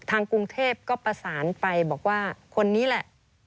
กรุงเทพก็ประสานไปบอกว่าคนนี้แหละ